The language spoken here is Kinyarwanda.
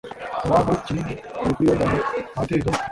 Mowabu kinini bari kuri Yorodani ahateganye